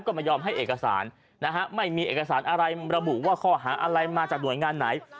ก็ไม่ยอมให้เอกสารนะฮะไม่มีเอกสารอะไรระบุว่าข้อหาอะไรมาจากหน่วยงานไหน